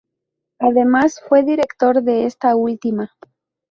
Además, fue director de esta última.